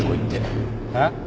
えっ？